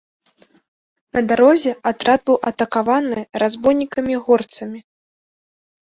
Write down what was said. На дарозе атрад быў атакаваны разбойнікамі-горцамі.